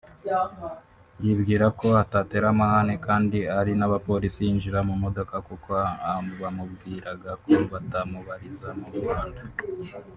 yibwira ko atatera amahane kandi ari n’abapolisi yinjira mu modoka kuko bamubwiraga ko batamubariza mu muhanda